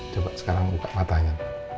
coba sekarang buka matanya